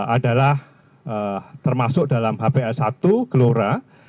adalah termasuk dalam hba satu gelora